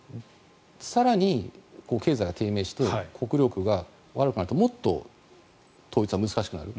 更に経済が低迷して国力が悪くなるともっと統一は難しくなる。